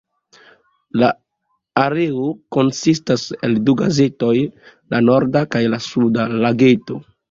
La areo konsistas el du lagetoj, la "Norda" kaj la "Suda" Lageto.